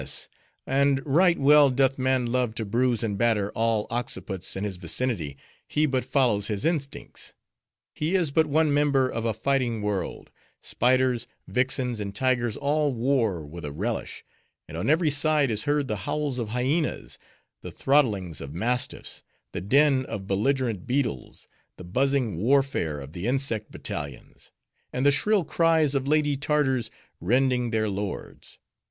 "Ah, yes. And right well doth man love to bruise and batter all occiputs in his vicinity; he but follows his instincts; he is but one member of a fighting world. Spiders, vixens, and tigers all war with a relish; and on every side is heard the howls of hyenas, the throttlings of mastiffs, the din of belligerant beetles, the buzzing warfare of the insect battalions: and the shrill cries of lady Tartars rending their lords.